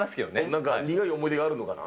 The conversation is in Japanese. なんか苦い思い出があるのかな？